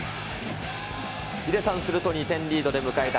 ヒデさん、すると２点リードで迎えた